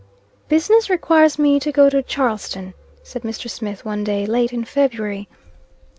"Business requires me to go to Charleston," said Mr. Smith, one day late in February.